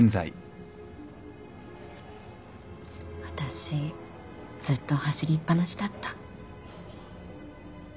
私ずっと走りっぱなしだった。